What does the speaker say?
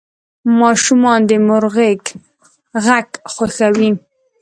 ماشومان د مور غږ خوښوي.